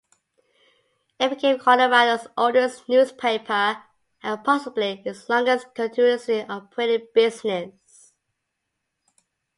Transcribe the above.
It became Colorado's oldest newspaper and possibly its longest continuously operated business.